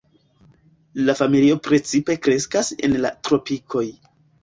La familio precipe kreskas en la tropikoj.